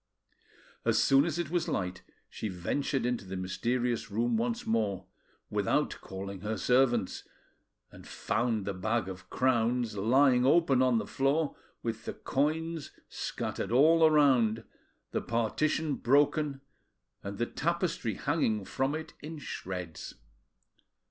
As soon as it was light she ventured into the mysterious room once more; without calling her servants, and found the bag of crowns lying open on the floor, with the coins scattered all around, the partition broken, and the tapestry hanging from it in shreds.